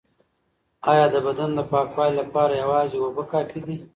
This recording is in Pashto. ایا د بدن د پاکوالي لپاره یوازې اوبه کافی دي؟